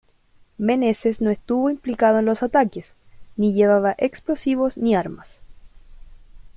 Menezes no estuvo implicado en los ataques, ni llevaba explosivos ni armas.